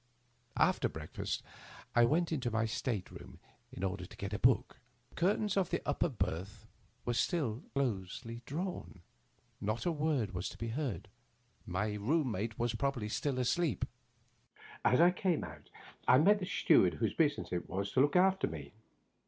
After breakfast I went into my state room in order to get a book. The curtains of the upper berth were still closely drawn. Not a word was to be heard. My room mate was probably still asleep. As I came out I met the steward whose business it was to look after me.